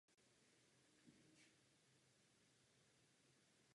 Jednou z takových zemí bylo i Japonsko.